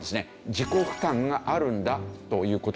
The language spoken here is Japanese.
自己負担があるんだという事ですね。